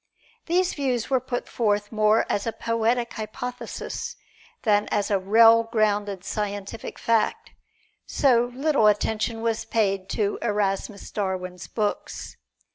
These views were put forth more as a poetic hypothesis than as a well grounded scientific fact, so little attention was paid to Erasmus Darwin's books.